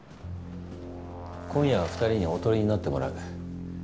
今夜は２人におとりになってもらう。